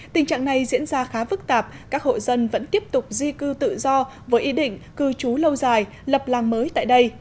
tình trạng này diễn ra khá phức tạp các hội dân vẫn tiếp tục di cư tự do với ý định cư trú lâu dài lập làng mới tại đây